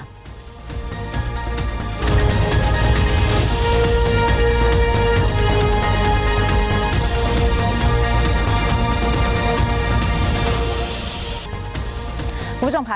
คุณผู้ชมค่ะ